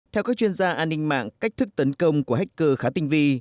theo các chuyên gia an ninh mạng cách thức tấn công của hacker khá tinh vi